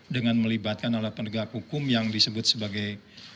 dengan melibatkan alat penegak hukum yang disebut sebagai